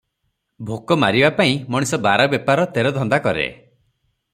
ଭୋକ ମାରିବା ପାଇଁ ମଣିଷ ବାର ବେପାର ତେର ଧନ୍ଦା କରେ ।